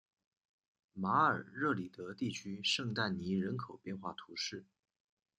马尔热里德地区圣但尼人口变化图示